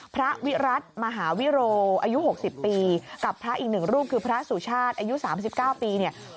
พระวิรัติมหาวิโรอายุ๖๐ปีกับพระอีกหนึ่งรูปคือพระสุชาติอายุ๓๙ปีเนี่ย